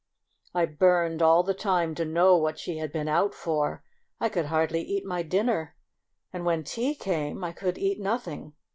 I burned all the time to know what she had been out for. I could hardly eat my dinner, and when tea came I could eat nothing.